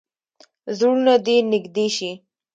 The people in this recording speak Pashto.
زړونه دې نږدې شي.